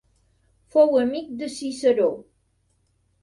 Fou amic de Ciceró.